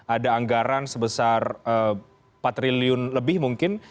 ada anggaran sebesar empat triliun lebih mungkin